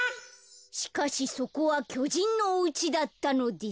「しかしそこはきょじんのおうちだったのです」。